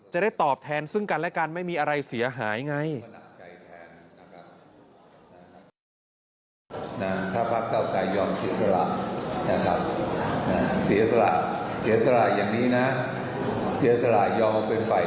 จะได้ตอบแทนซึ่งกันและกันไม่มีอะไรเสียหายไง